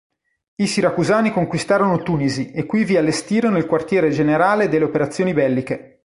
I Siracusani conquistarono Tunisi e qui vi allestirono il quartiere generale delle operazioni belliche.